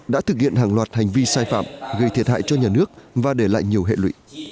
đã thực hiện hàng loạt hành vi sai phạm gây thiệt hại cho nhà nước và để lại nhiều hệ lụy